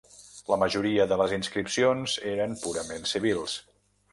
La majoria de les inscripcions eren purament civils